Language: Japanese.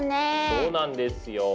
そうなんですよ。